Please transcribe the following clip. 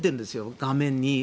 画面に。